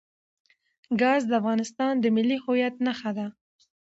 ګاز د افغانستان د ملي هویت نښه ده.